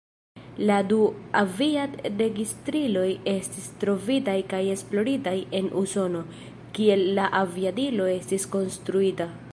La du aviad-registriloj estis trovitaj kaj esploritaj en Usono, kie la aviadilo estis konstruita.